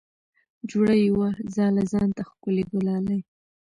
جوړه یې وه ځاله ځان ته ښکلې ګلالۍ